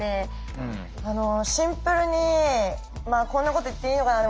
シンプルにこんなこと言っていいのかな。